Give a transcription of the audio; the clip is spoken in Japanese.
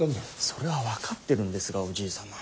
それは分かってるんですがおじい様。